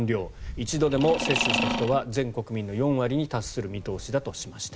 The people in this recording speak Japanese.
１度でも接種した人は全国民の４割に達する見込みだとしました。